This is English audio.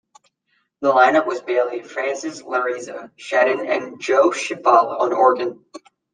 The line-up was Bailey, Francis, Larizza, Shedden and Joe Chiofalo on organ.